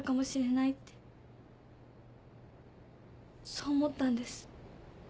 そう思ったんです。